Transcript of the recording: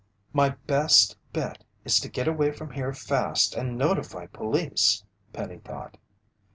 "My best bet is to get away from here fast and notify police!" Penny thought.